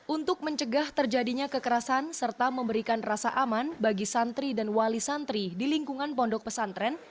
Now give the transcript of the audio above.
untuk mencegah terjadinya kekerasan serta memberikan rasa aman bagi santri dan wali santri di lingkungan pondok pesantren